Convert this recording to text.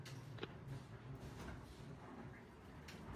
Elurra da protagonista nagusia eta horrek espedizioaren helburua saihesten du.